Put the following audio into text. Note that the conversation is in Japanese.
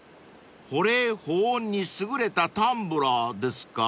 ［保冷保温に優れたタンブラーですか？］